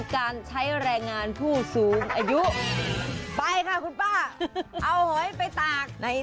ไก่เลยเราอยู่พรรภบุรี